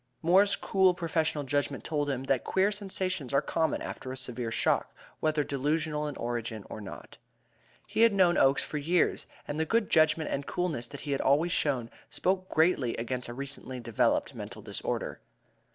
Moore's cool professional judgment told him that queer sensations are common after a severe shock, whether delusional in origin or not. He had known Oakes for years, and the good judgment and coolness that he had always shown spoke greatly against a recently developed mental disorder.